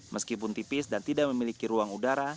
meskipun tipis dan tidak memiliki ruang udara